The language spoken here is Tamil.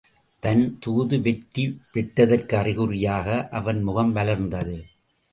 தன் தூது வெற்றி பெற்றதற்கு அறிகுறியாக அவன் முகம் மலர்ந்தது.